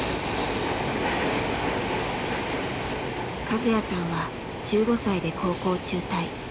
和哉さんは１５歳で高校中退。